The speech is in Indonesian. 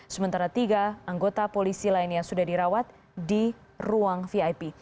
sementara tiga anggota polisi lainnya sudah dirawat di ruang vip